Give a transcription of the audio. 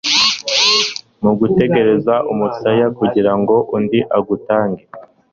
Ntutegereze umusaya kugirango undi agutange